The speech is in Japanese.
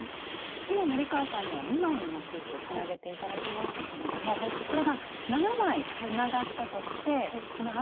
今森川さんには２枚のモチーフつなげて頂きましたけれどもこれが７枚つながったとしてこのあとはどうなるんでしょうか？